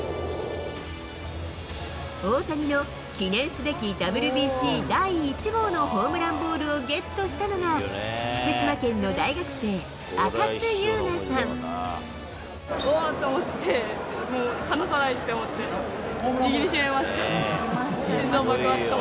大谷の記念すべきＷＢＣ第１号のホームランボールをゲットしたのが、福島県の大学生、うおーと思って、離さないって思って、握りしめました。